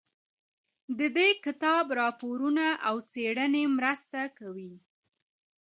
د دې کتاب راپورونه او څېړنې مرسته کوي.